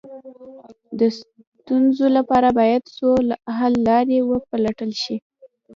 د ستونزو لپاره باید څو حل لارې وپلټل شي.